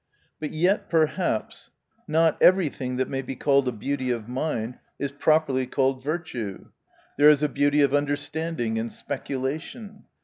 — But yet perhaps not every thing that may be called a beauty of mind, is properly called virtue. There is a beauty of under standing and speculation.